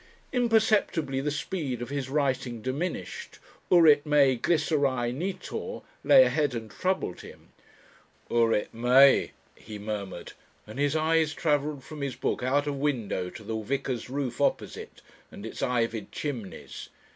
Imperceptibly the speed of his writing diminished. "Urit me Glycerae nitor" lay ahead and troubled him. "Urit me," he murmured, and his eyes travelled from his book out of window to the vicar's roof opposite and its ivied chimneys.